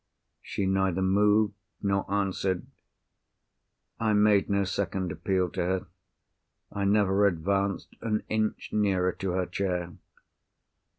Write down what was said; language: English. She neither moved, nor answered. I made no second appeal to her; I never advanced an inch nearer to her chair.